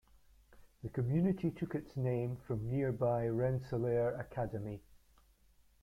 The community took its name from nearby Rensselaer Academy.